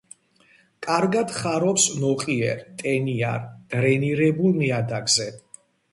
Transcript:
კარგად ხარობს ნოყიერ, ტენიან, დრენირებულ ნიადაგზე.